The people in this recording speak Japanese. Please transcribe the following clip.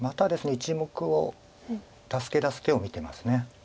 １目を助け出す手を見てます。